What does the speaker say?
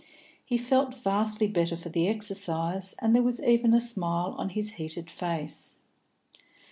He felt vastly better for the exercise, and there was even a smile on his heated face.